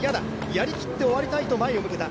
やり切って終わりたいと前を向けた。